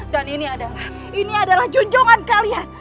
dan ini adalah ini adalah junjungan kalian